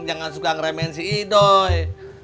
jangan suka ngeremehin si idoi